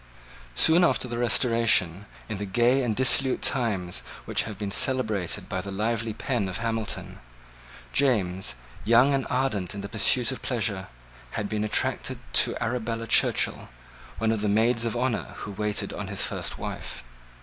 Soon after the Restoration, in the gay and dissolute times which have been celebrated by the lively pen of Hamilton, James, young and ardent in the pursuit of pleasure, had been attracted to Arabella Churchill, one of the maids of honour who waited on his first wife.